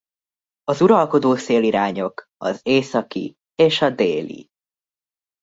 Az uralkodó szélirányok az északi és a déli.